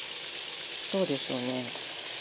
どうでしょうね。